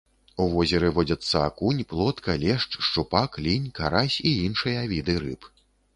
У возеры водзяцца акунь, плотка, лешч, шчупак, лінь, карась і іншыя віды рыб.